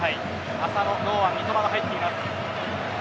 浅野、堂安、三笘が入っています。